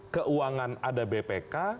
keuangan ada bpk